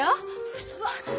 うそばっか。